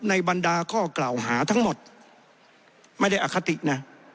บรรดาข้อกล่าวหาทั้งหมดไม่ได้อคตินะ